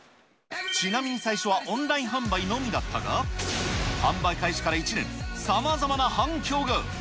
ちなみに最初はオンライン販売のみだったが、販売開始から１年、さまざまな反響が。